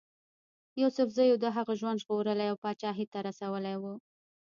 یوسفزیو د هغه ژوند ژغورلی او پاچهي ته رسولی وو.